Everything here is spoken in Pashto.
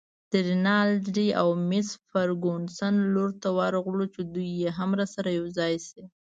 د رینالډي او مس فرګوسن لور ته ورغلو چې دوی هم راسره یوځای شي.